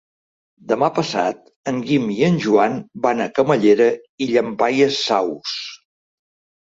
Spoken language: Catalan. Demà passat en Guim i en Joan van a Camallera i Llampaies Saus.